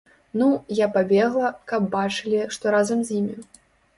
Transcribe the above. Ну, я пабегла, каб бачылі, што разам з імі.